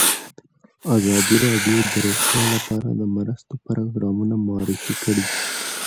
ازادي راډیو د روغتیا لپاره د مرستو پروګرامونه معرفي کړي.